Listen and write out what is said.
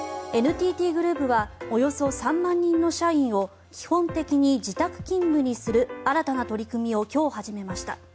ＮＴＴグループはおよそ３万人の社員を基本的に自宅勤務にする新たな取り組みを今日、始めました。